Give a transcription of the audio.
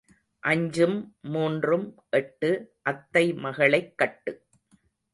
அஞ்சும் மூன்றும் எட்டு அத்தை மகளைக் கட்டு.